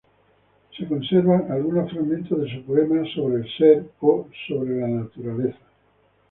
Se conservan algunos fragmentos de su poema "Sobre el Ser" o "Sobre la Naturaleza".